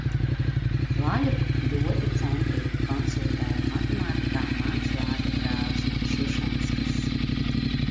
Vaļu ļoti centīgi konsultēja matemātikā mans vārdabrālis no Šušenskas.